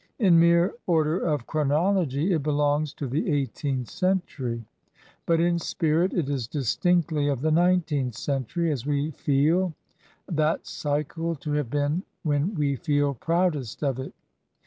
In mere order of chronology it belongs to the eighteenth century, but in spirit it is distinctly of the nineteenth century, as we feel that cycle to have been when we feel proudest of it.